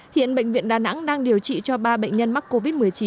hiện bệnh viện đà nẵng đang điều trị cho ba bệnh nhân mắc covid một mươi chín